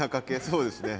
そうですね。